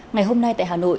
ngày hôm nay tại hà nội